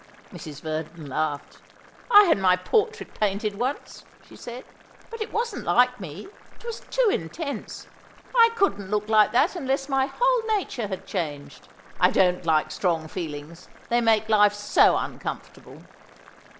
Mrs. Verdon laughed. "I had my portrait painted once," she said, "but it wasn't like me it was too intense. I couldn't look like that unless my whole nature had changed. I don't like strong feelings, they make life so uncomfortable."